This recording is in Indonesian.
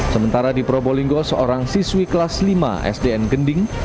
sementara di probolinggo seorang siswi kelas lima sdn gending